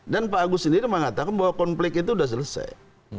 dan pak agus sendiri memang mengatakan bahwa konflik itu sudah selesai